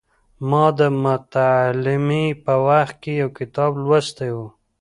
ما د متعلمۍ په وخت کې یو کتاب لوستی و.